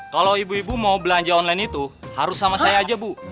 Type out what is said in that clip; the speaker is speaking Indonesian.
kalau ibu ibu mau belanja online itu harus sama saya aja bu